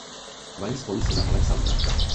Mají spolu syna Alexandra.